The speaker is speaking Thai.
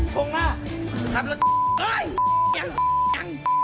ถามรถหนัง